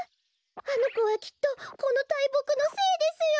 あのこはきっとこのたいぼくの精ですよ。